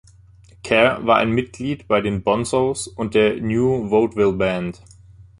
Kerr war ein Mitglied bei den Bonzos und der New Vaudeville Band.